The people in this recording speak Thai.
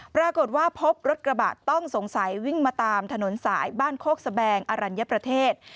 ปรากฏว่าพบรถกระบะต้องสงสัยวิ่งมาตามถนนสายบ้านโคกสแบงอรัญญประเทศ